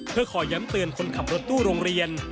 เพื่อขอย้ำเตือนคนขับรถตู้โรงเรียน